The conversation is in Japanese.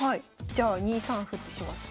じゃあ２三歩ってします。